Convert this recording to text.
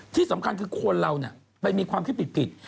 ที่สำคัญคือคนเราไปมีความคิดผิด